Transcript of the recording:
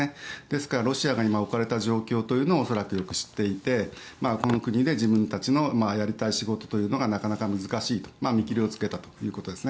ですから、ロシアが今、置かれた状況というのを恐らくよく知っていてこの国で自分たちのやりたい仕事というのがなかなか難しいと見切りをつけたということです。